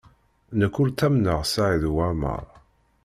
Nekk ur ttamneɣ Saɛid Waɛmaṛ.